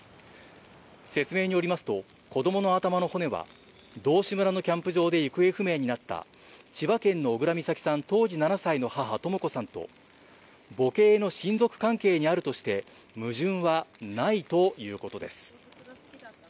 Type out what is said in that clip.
説明によりますと、子どもの頭の骨は、道志村のキャンプ場で行方不明になった、千葉県の小倉美咲さん当時７歳の母、とも子さんと、母系の親族関係にあるとして矛盾はないということです。